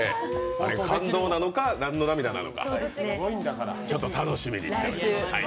感動なのか、何の涙なのか、ちょっと楽しみにしております。